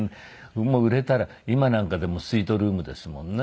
売れたら今なんかでもスイートルームですもんね。